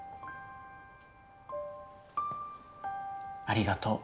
ありがとう。